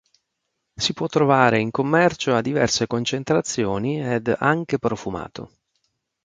Si può trovare in commercio a diverse concentrazioni ed anche profumato.